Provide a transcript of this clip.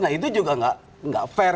nah itu juga nggak fair